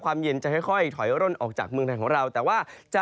ความเย็นจะค่อยถอยออกจากมือแผ่งของเรา